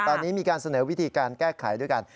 ตอนนี้มีการเสนอวิธีการแก้ไขด้วยกัน